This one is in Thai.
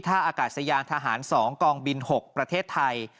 อากาศยานทหาร๒กองบิน๖ประเทศไทย